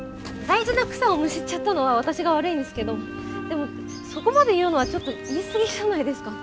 大事な草をむしっちゃったのは私が悪いんですけどでもそこまで言うのはちょっと言い過ぎじゃないですか。